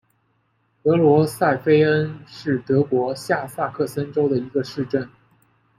格罗塞费恩是德国下萨克森州的一个市镇。